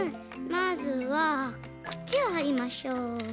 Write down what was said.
まずはこっちをはりましょう。